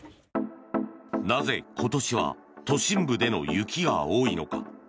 なぜ今年は都心部での雪が多いのか。